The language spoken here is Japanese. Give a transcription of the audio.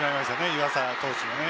湯浅投手がね。